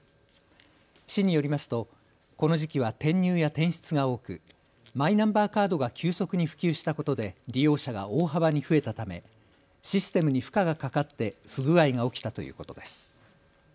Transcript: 市によりますとこの時期は転入や転出が多くマイナンバーカードが急速に普及したことで利用者が大幅に増えたためシステムに負荷がかかって不具合が起きたということです。